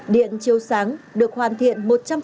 điện chiều sáng được hoàn thiện một trăm linh